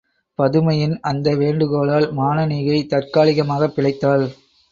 பதுமையின் அந்த வேண்டுகோளால் மானனீகை தற்காலிகமாகப் பிழைத்தாள்.